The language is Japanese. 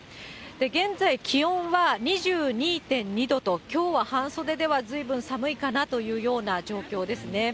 現在、気温は２２．２度と、きょうは半袖ではずいぶん寒いかなというような状況ですね。